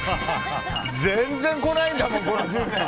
全然来ないんだもん、この１０年。